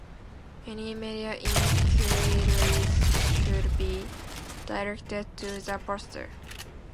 Any media inquiries should be directed to the pastor.